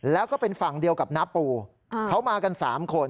แล้วก็เป็นฝั่งเดียวกับน้าปูเขามากัน๓คน